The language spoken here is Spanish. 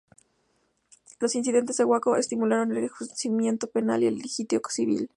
Los incidentes en Waco estimularon el enjuiciamiento penal y el litigio civil.